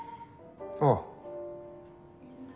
ああ。